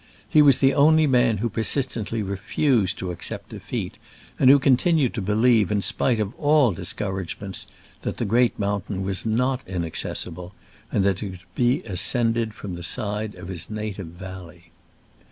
He was the only man who persistently refused to accept defeat, and who con tinued to believe, in spite of all discour agements, that the great mountain was not inaccessible, and that it could be ascended from the side of his native valley.